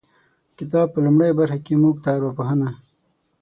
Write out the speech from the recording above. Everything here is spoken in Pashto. کتاب په لومړۍ برخه کې موږ ته ارواپوهنه